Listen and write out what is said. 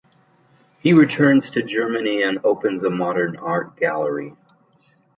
He returns to Germany and opens a modern art gallery.